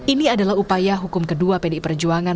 ini adalah upaya hukum kedua pdi perjuangan